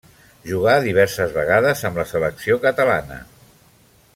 Jugà diverses vegades amb la selecció catalana.